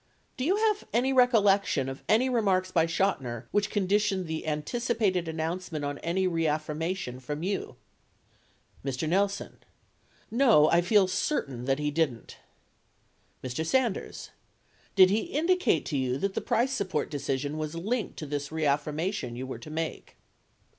do you have any recollection of any re marks by Chotiner which conditioned the anticipated an nouncement on any reaffirmation from you ? Mr. Nelson. No ; I feel certain that he didn't. Mr. Sanders. Did he indicate to you that the price support decision was linked to this reaffirmation you were to make?